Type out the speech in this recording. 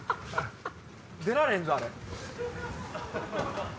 出られへんぞあれ。